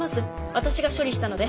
私が処理したので。